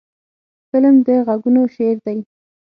فلم د غږونو شعر دی